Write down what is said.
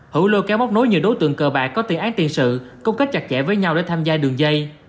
hữu lôi kéo móc nối nhiều đối tượng cờ bạc có tiền án tiền sự công kết chặt chẽ với nhau để tham gia đường dây